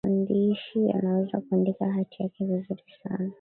mwandishi anaweza kuandika hati yake vizuri sana